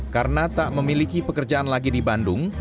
karena tak memiliki pekerjaan lagi di bandung